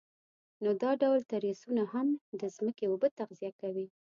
نو دا ډول تریسونه هم د ځمکې اوبه تغذیه کوي.